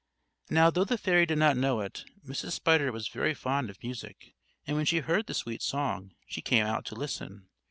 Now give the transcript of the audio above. Now though the fairy did not know it, Mrs. Spider was very fond of music; and when she heard the sweet song, she came out to listen.